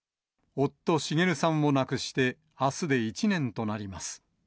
夫、滋さんを亡くして、あすで１年となります。